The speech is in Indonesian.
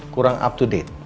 kurang up to date